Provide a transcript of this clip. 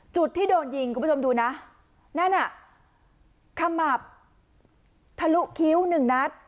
จุดที่โดนยิงคุณผู้ชมดูนะนั่นน่ะขมับทะลุคิ้วหนึ่งนัด